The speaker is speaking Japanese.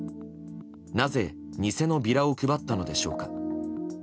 なぜ、偽のビラを配ったのでしょうか。